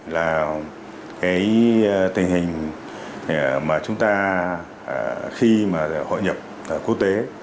là cái tình hình mà chúng ta khi mà hội nhập quốc tế